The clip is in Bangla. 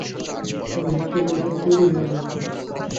তুমি হোস্টেল গিয়ে তৈরি হয়ে নাও!